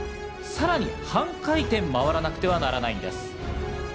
さらに半回転、回らなくてはならないのです。